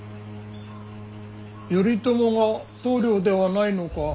頼朝が棟梁ではないのか。